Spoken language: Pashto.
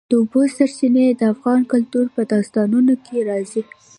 د اوبو سرچینې د افغان کلتور په داستانونو کې راځي.